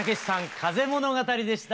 「風物語」でした。